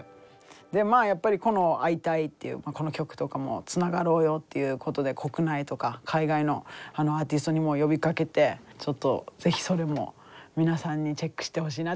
この「アイタイ！」っていうこの曲とかもつながろうよっていうことで国内とか海外のアーティストにも呼びかけてちょっとぜひそれも皆さんにチェックしてほしいなと思います。